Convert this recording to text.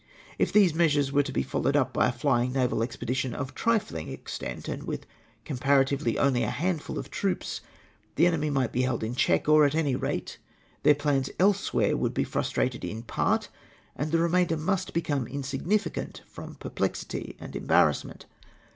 If these measures were to be followed up by a flying naval expedition of trifling extent, and with comparatively only a handful of troops, the enemy might ])e held in check, or at any rate their plans elsewhere would be frustrated in part, and the remainder must become insignificant from perplexity and embarrassment.